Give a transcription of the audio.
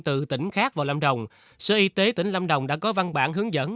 từ tỉnh khác vào lâm đồng sở y tế tỉnh lâm đồng đã có văn bản hướng dẫn